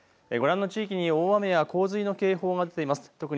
ご覧の地域に大雨や洪水の警報が出ています。